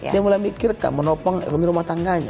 dia mulai mikirkan menopang ekonomi rumah tangganya